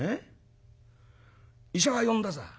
医者は呼んださ。